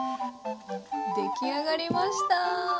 出来上がりました。